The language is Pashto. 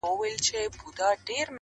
په توبو یې راولمه ستا تر ځایه؛